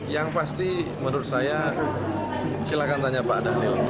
yang pasti menurut saya silahkan tanya pak daniel